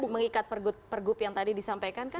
mengikat pergub yang tadi disampaikan kan